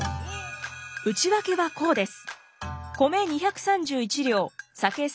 内訳はこうです。